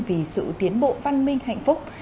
vì sự tiến bộ văn minh hạnh phúc